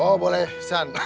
oh boleh san